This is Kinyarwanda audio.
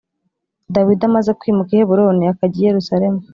Dawidi amaze kwimuka i Heburoni akajya i Yerusalemu